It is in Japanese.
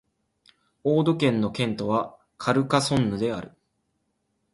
オード県の県都はカルカソンヌである